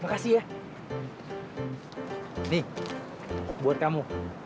makasih ya nih buat kamu